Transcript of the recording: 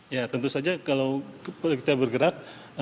ya tentu saja kalau kita bergerak